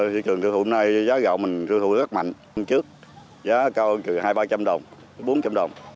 thị trường thư thụ hôm nay giá gạo mình thư thụ rất mạnh